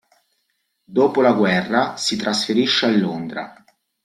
Dopo la guerra si trasferisce a Londra.